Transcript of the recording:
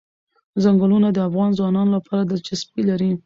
ځنګلونه د افغان ځوانانو لپاره دلچسپي لري.